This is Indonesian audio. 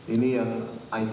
ini yang itb